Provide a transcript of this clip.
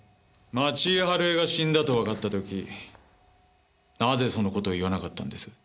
町井春枝が死んだとわかった時なぜその事を言わなかったんです？